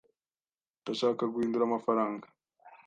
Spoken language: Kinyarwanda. Ndashaka guhindura amafaranga.